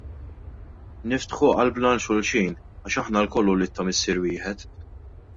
Niftħu qalbna għal xulxin, għax aħna lkoll ulied ta' Missier wieħed.